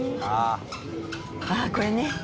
「ああこれね」